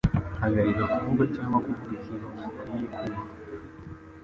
Hagarika kuvuga cyangwa kuvuga ikintu gikwiye kumva